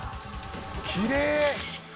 きれい。